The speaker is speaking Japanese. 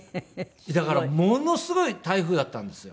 だからものすごい台風だったんですよ。